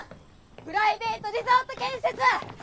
プライベートリゾート建設反対！